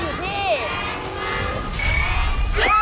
ลูกอมมายมิ้นท์